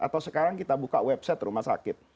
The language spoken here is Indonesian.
atau sekarang kita buka website rumah sakit